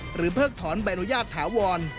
เพิกถอนใบอนุญาตถาวร